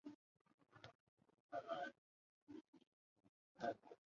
分数量子霍尔效应展示出朗道对称性破缺理论的局限性。